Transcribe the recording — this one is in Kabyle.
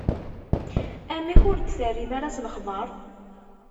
Amek, ur d-terrim ara s lexbaṛ?